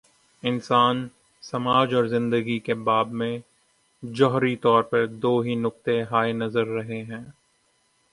انسان، سماج اور زندگی کے باب میں، جوہری طور پر دو ہی نقطہ ہائے نظر رہے ہیں۔